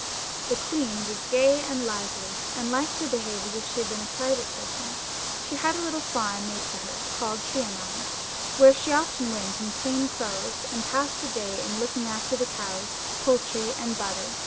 The queen was gay and lively, and liked to behave as if she had been a private person ; she had a little farm made for her, called Trianon, where she often went in plain clothes, and passed the day in looking after the cows, poultry, and butter.